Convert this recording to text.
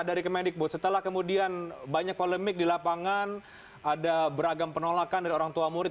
dari kemendikbud setelah kemudian banyak polemik di lapangan ada beragam penolakan dari orang tua murid